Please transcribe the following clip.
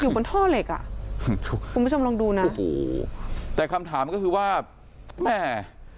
อยู่บนท่อเหล็กอ่ะคุณผู้ชมลองดูนะโอ้โหแต่คำถามก็คือว่าแม่